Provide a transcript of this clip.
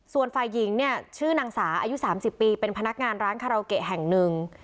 ส่วนฝ่ายหญิงเนี่ยชื่อนางสาอายุ๓๐ปีเป็นพนักงานร้านคาราโอเกะแห่งหนึ่ง